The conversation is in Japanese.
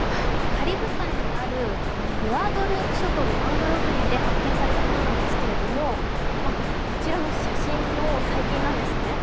カリブ海にあるグアドループ諸島のマングローブ林で発見されたものなんですが、こちらの写真の細菌なんですね。